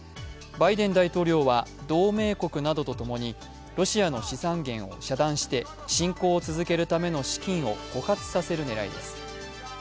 バイデン大統領は同盟国などと共にロシアの資産源を遮断して侵攻を続けるための資金を枯渇させる狙いです。